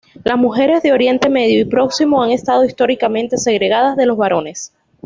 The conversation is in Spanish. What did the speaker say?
Las mujeres de Oriente Medio y Próximo han estado históricamente segregadas de los varones.